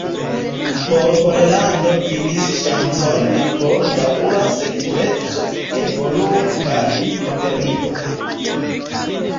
Por Pollando vidis ŝancon por daŭra sekureco, evoluo kaj modernigo.